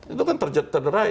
itu kan terderai